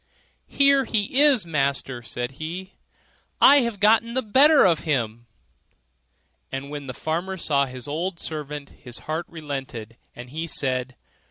'Here he is, master,' said he, 'I have got the better of him': and when the farmer saw his old servant, his heart relented, and he said.